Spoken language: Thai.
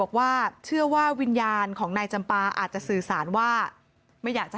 บอกว่าเชื่อว่าวิญญาณของนายจำปาอาจจะสื่อสารว่าไม่อยากจะ